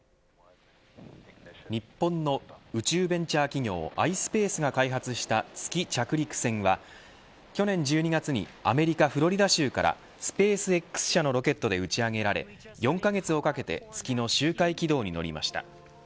日本の宇宙ベンチャー企業ｉｓｐａｃｅが開発した月着陸船は去年１２月にアメリカフロリダ州からスペースＸ社のロケットで打ち上げられ４カ月をかけて月の周回軌道に乗りました。